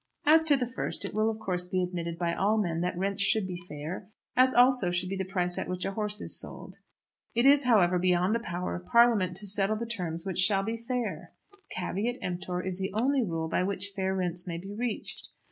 As to the first, it will, of course, be admitted by all men that rents should be fair, as also should be the price at which a horse is sold. It is, however, beyond the power of Parliament to settle the terms which shall be fair. "Caveat emptor" is the only rule by which fair rents may be reached.